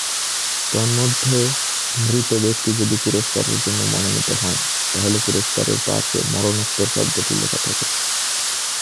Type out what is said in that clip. তন্মধ্যে মৃত ব্যক্তি যদি পুরস্কারের জন্য মনোনীত হন, তাহলে পুরস্কারের পার্শ্বে মরণোত্তর শব্দটি লেখা থাকে।